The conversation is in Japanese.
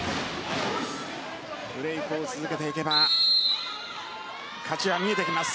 ブレークを続けていけば勝ちは見えてきます。